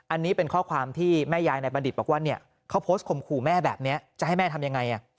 อันนี้เป็นข้อความที่แม่ยายนายบัณฑิตบอกว่าเขาโพสต์ข่มขู่แม่แบบนี้จะให้แม่ทำยังไง